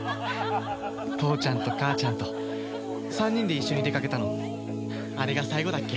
父ちゃんと母ちゃんと３人で一緒に出かけたのあれが最後だっけ。